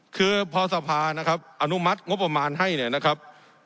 คือพอสภานะครับอนุมัติงบประมาณให้เนี่ยนะครับ